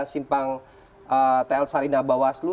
simpang tl sarinah bawaslu